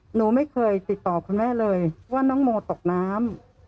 หนูไม่เคยติดต่อคุณแม่เลยว่าน้องโมตกน้ำ